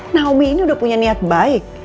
nawi ini udah punya niat baik